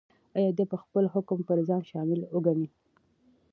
ایا دی به خپل حکم پر ځان شامل وګڼي؟